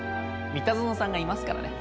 三田園さんがいますからね。